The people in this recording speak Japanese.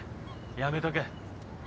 やめとけ。